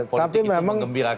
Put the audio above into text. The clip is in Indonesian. politik itu mengembirakan